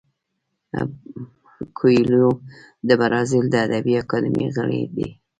کویلیو د برازیل د ادبي اکاډمۍ غړی دی.